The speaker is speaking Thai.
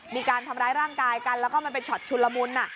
มีการทำร้ายร่างกายกันแล้วก็มันเป็นช็อตชุนละมุน